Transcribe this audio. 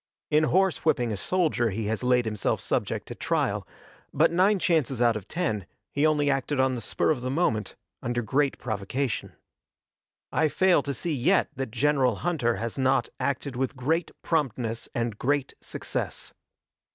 In horsewhipping a soldier he has laid himself subject to trial, but nine chances out of ten he only acted on the spur of the moment, under great provocation. I fail to see yet that General Hunter has not acted with great promptness and great success.